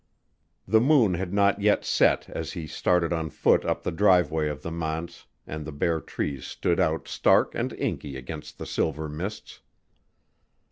The moon had not yet set as he started on foot up the driveway of the manse and the bare trees stood out stark and inky against the silver mists.